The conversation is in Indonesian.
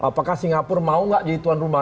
apakah singapura mau gak jadi tuan rumah